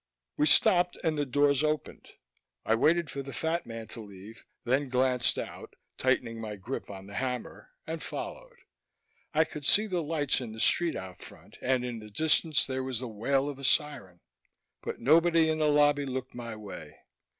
We stopped and the doors opened. I waited for the fat man to leave, then glanced out, tightening my grip on the hammer, and followed. I could see the lights in the street out front and in the distance there was the wail of a siren, but nobody in the lobby looked my way.